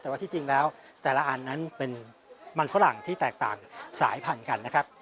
แต่ว่าที่จริงแล้วแต่ละอันนั้นเป็นมันฝรั่งที่แตกต่างสายพันธุ์กันนะครับ